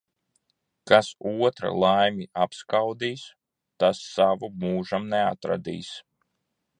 Kas otra laimi apskaudīs, tas savu mūžam neatradīs.